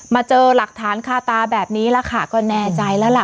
มาเจอหลักฐานคาตาแบบนี้ล่ะค่ะก็แน่ใจแล้วล่ะ